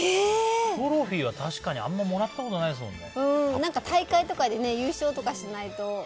トロフィーは確かにあんまもらったこと大会とかで優勝とかしないと。